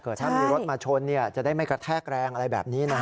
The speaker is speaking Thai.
ถ้ามีรถมาชนจะได้ไม่กระแทกแรงอะไรแบบนี้นะฮะ